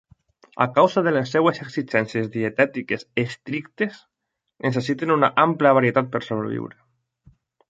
A causa de les seves exigències dietètiques estrictes, necessiten una àmplia varietat per sobreviure.